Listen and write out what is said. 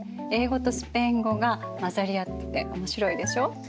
英語とスペイン語が交ざり合ってて面白いでしょ？